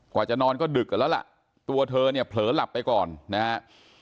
กว่าจะนอนก็ดึกแล้วล่ะตัวเธอเนี่ยเผลอหลับไปก่อนนะครับ